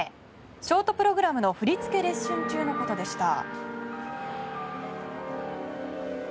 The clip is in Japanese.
ショートプログラムの振り付けレッスン中のことでした。